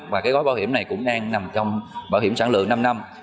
và cái gói bảo hiểm này cũng đang nằm trong bảo hiểm sản lượng năm năm